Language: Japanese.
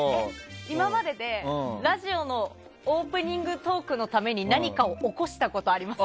今まででラジオのオープニングトークのために何かを起こしたことありますか？